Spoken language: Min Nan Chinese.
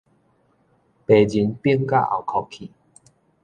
白仁反甲後擴去